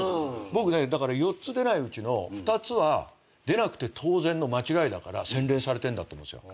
僕ねだから４つ出ないうちの２つは出なくて当然の間違いだから洗練されてんだと思うんですよ。